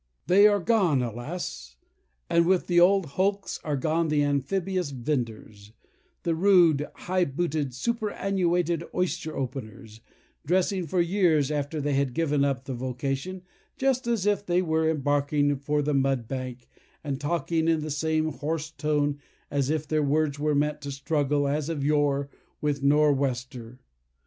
They are gone, alas! and with the old hulks are gone the amphibious venders—the rude, high booted, superannuated oyster openers, dressing, for years after they had given up the vocation, just as if they were embarking for the mud bank, and talking in the same hoarse tone as if their words were meant to struggle, as of yore, with a nor'wester.